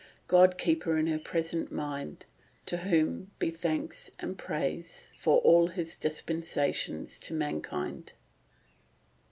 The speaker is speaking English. God keep her in her present mind, to whom be thanks and praise for all His dispensations to mankind."